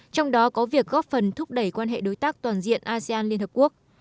trong đó có việc góp phần thúc đẩy quan hệ đối tác toàn diện asean liên hợp quốc